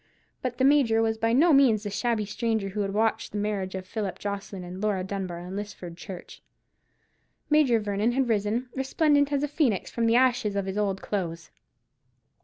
But the Major was by no means the shabby stranger who had watched the marriage of Philip Jocelyn and Laura Dunbar in Lisford Church. Major Vernon had risen, resplendent as the phoenix, from the ashes of his old clothes.